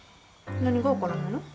何が分からないの？